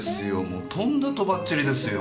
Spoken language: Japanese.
もうとんだとばっちりですよ。